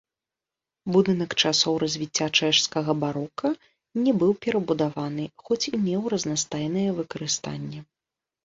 Будынак часоў развіцця чэшскага барока не быў перабудаваны, хоць і меў разнастайнае выкарыстанне.